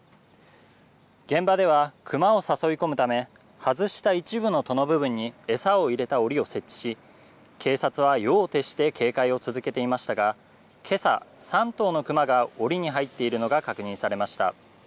現場ではクマを誘い込むため、外した一部の戸の部分に餌を入れたおりを設置し、警察は夜を徹して警戒を続けていましたが、けさ、３頭のクマがおりに入っているのが確認されました。